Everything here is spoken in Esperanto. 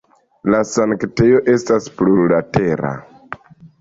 La sanktejo estas plurlatera.